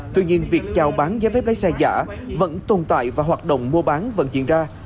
tuy nhiên việc chào bán giấy phép lái xe giả vẫn tồn tại và hoạt động mua bán vẫn diễn ra